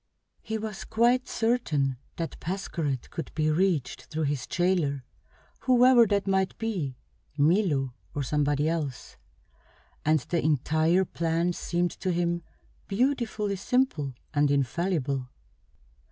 He was quite certain that Pascherette could be reached through his jailer, whoever that might be Milo or somebody else and the entire plan seemed to him beautifully simple and infallible.